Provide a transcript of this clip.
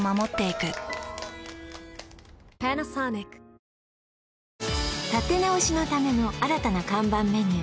最高立て直しのための新たな看板メニュー